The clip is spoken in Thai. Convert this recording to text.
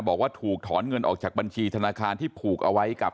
บอกว่าถูกถอนเงินออกจากบัญชีธนาคารที่ผูกเอาไว้กับ